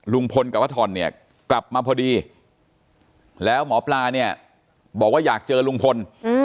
ลุงพลกับวัทธรณ์เนี่ยกลับมาพอดีแล้วหมอปลาเนี่ยบอกว่าอยากเจอลุงพล